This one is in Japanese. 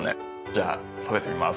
じゃあ食べてみます。